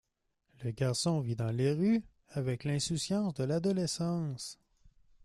Le garçon vit dans les rues avec l'insouciance de l'adolescence.